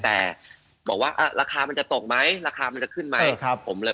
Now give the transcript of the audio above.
แต่บอกว่าราคามันจะตกไหมราคามันจะขึ้นไหม